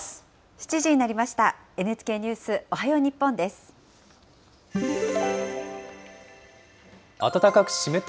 ７時になりました。